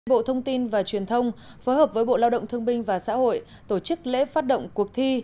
bộ thông tin và truyền thông phối hợp với bộ lao động thương binh và xã hội tổ chức lễ phát động cuộc thi